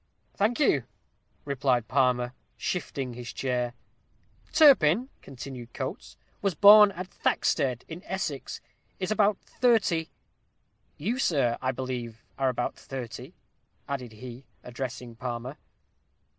"Thank you!" replied Palmer, shifting his chair. "'Turpin,'" continued Coates, "'was born at Thacksted, in Essex; is about thirty' you, sir, I believe, are about thirty?" added he, addressing Palmer.